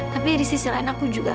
tapi di sisi lain aku juga